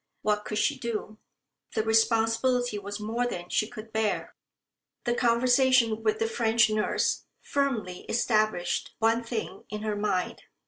What could she do? The responsibility was more than she could bear. The conversation with the French nurse firmly established one thing in her mind.